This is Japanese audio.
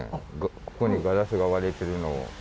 ここにガラスが割れてるのを。